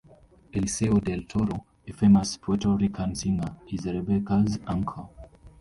Eliseo Del Toro, a famous Puerto Rican singer, is Rebeca's uncle.